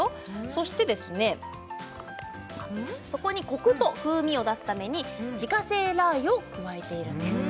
そしてそこにコクと風味を出すために自家製ラー油を加えているんです